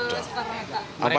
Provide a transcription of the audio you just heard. itu yang berhubungan